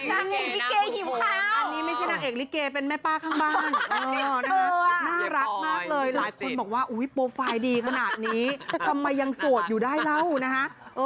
อันนี้ไม่ใช่นางเอกลิเกย์เป็นแม่ป้าข้างบ้านน่ารักมากเลยหลักคนบอกว่าโปรไฟล์ดีขนาดนี้ทำไมยังสวดอยู่ได้แล้วนะฮะ